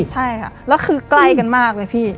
ใช่ค่ะแล้วคือใกล้กันมากเลยพี่